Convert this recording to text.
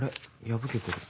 破けてる。